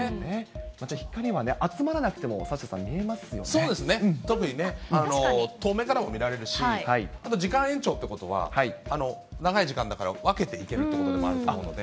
また集まらなくてもサッシャそうですね、特にね、遠目からも見られるし、あと時間延長ということは、長い時間だから、分けて行けるということでもあるので。